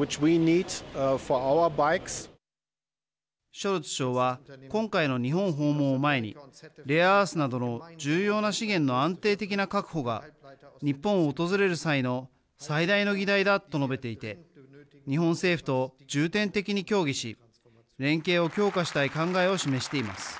ショルツ首相は今回の日本訪問を前にレアアースなどの重要な資源の安定的な確保が日本を訪れる際の最大の議題だと述べていて日本政府と重点的に協議し連携を強化したい考えを示しています。